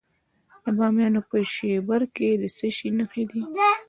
د بامیان په شیبر کې د څه شي نښې دي؟